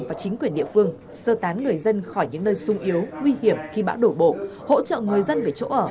và chính quyền địa phương sơ tán người dân khỏi những nơi sung yếu nguy hiểm khi bão đổ bộ hỗ trợ người dân về chỗ ở